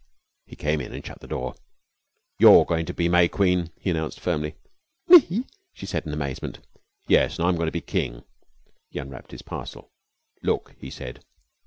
He came in and shut the door. "You're goin' to be May Queen," he announced firmly. "Me?" she said in amazement. "Yes. An' I'm goin' to be King." He unwrapped his parcel. "Look!" he said.